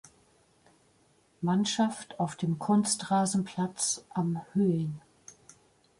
Mannschaft auf dem Kunstrasenplatz „Am Höing“.